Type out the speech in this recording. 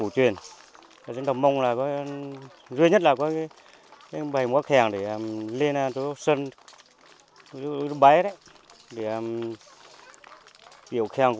tết cổ truyền